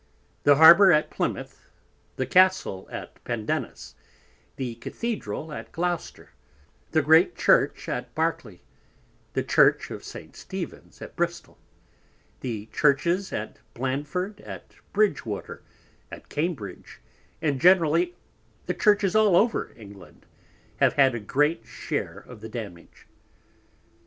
The Harbour at Plimouth, the Castle at Pendennis, the Cathederal at Gloucester, the great Church at Berkely, the Church of St. Stephen's at Bristol; the Churches at Blandford, at Bridgewater, at Cambridge, and generally the Churches all over England have had a great share of the Damage.